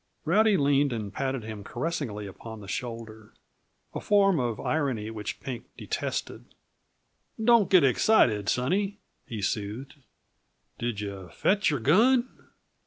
Rowdy leaned and patted him caressingly upon the shoulder a form of irony which Pink detested. "Don't get excited, sonny," he soothed. "Did you fetch your gun?"